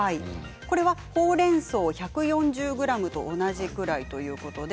これは、ほうれんそう１４０ｇと同じくらいということです。